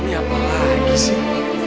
ini apa lagi sih